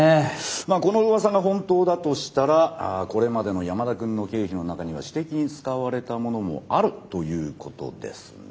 このうわさが本当だとしたらこれまでの山田君の経費の中には私的に使われたものもあるということですね？